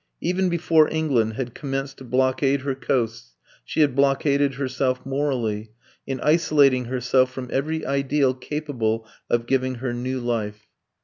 Even before England had commenced to blockade her coasts she had blockaded herself morally, in isolating herself from every ideal capable of giving her new life.